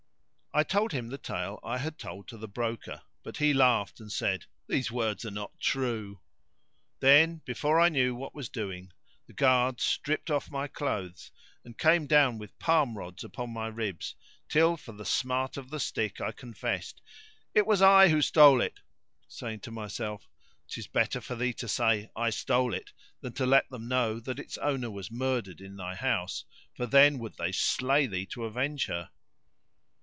I told him the tale I had told to the broker; but he laughed and said, "These words are not true." Then, before I knew what was doing, the guard stripped off my clothes and came down with palm rods upon my ribs, till for the smart of the stick I confessed, "It was I who stole it;" saying to myself, "'Tis better for thee to say, I stole it, than to let them know that its owner was murdered in thy house, for then would they slay thee to avenge her."